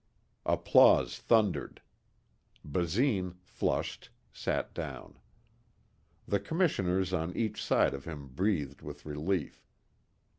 Applause thundered. Basine, flushed, sat down. The commissioners on each side of him breathed with relief.